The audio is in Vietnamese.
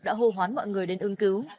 đã hô hoán mọi người đến ưng cứu